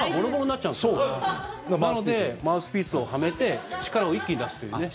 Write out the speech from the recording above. なので、マウスピースをはめて力を一気に出すというね。